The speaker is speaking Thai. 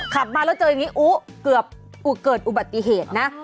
ขับมาแล้วเจออย่างนี้อุ๊เกือบเกิดอุบัติเหตุนะ